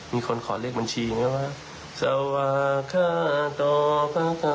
มีคนขอเลขบัญชีไหมว่าสภศโธภศ